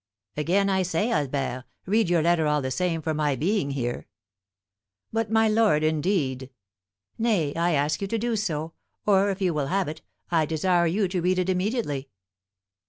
"Again I say, Albert, read your letter all the same for my being here." "But, my lord, indeed " "Nay, I ask you to do so; or, if you will have it, I desire you to read it immediately."